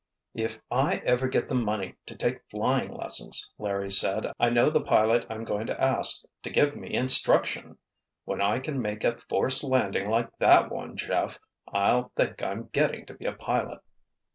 "If I ever get the money to take flying lessons," Larry said, "I know the pilot I'm going to ask to give me instruction! When I can make a forced landing like that one, Jeff, I'll think I'm getting to be a pilot."